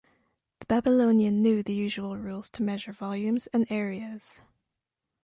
The Babylonian knew the usual rules to measure volumes and areas.